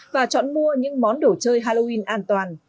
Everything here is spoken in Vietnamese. và chọn mua những món đồ chơi halloween an toàn